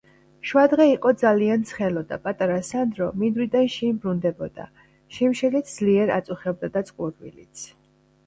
შუადღე იყო ძალიან ცხელოდა პატარა სანდრო მინდვრიდან შინ ბრუნდებოდა შიმშილიც ძლიერ აწუხებდა და წყურვილიც